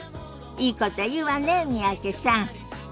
いいこと言うわね三宅さん。